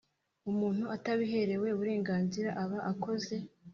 muntu atabiherewe uburenganzira aba akoze